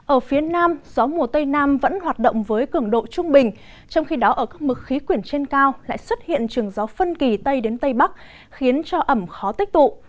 ở phía nam gió mùa tây nam vẫn hoạt động với cường độ trung bình trong khi đó ở các mực khí quyển trên cao lại xuất hiện trường gió phân kỳ tây đến tây bắc khiến cho ẩm khó tích tụ